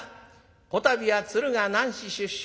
こたびは鶴が男子出生。